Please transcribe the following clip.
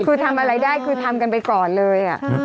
คือทำอะไรได้คือทำกันไปก่อนเลย